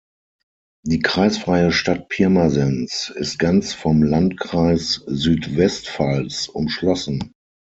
Die kreisfreie Stadt Pirmasens ist ganz vom Landkreis Südwestpfalz umschlossen.